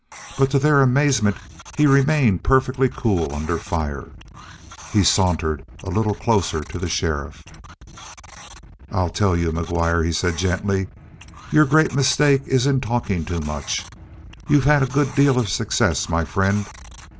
But to their amazement he remained perfectly cool under fire. He sauntered a little closer to the sheriff. "I'll tell you, McGuire," he said gently. "Your great mistake is in talking too much. You've had a good deal of success, my friend.